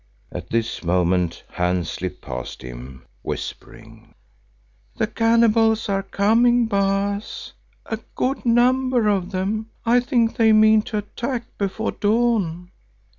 At this moment Hans slipped past him, whispering, "The cannibals are coming, Baas, a good number of them. I think they mean to attack before dawn."